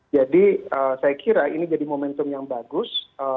jadi saya kira ini jadi momentum yang bagus